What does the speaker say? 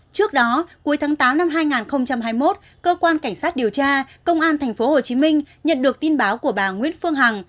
trước đó cuối tháng tám năm hai nghìn hai mươi một cơ quan cảnh sát điều tra công an tp hcm nhận được tin báo của bà nguyễn phương hằng